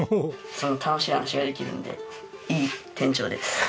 楽しい話ができるんでいい店長です。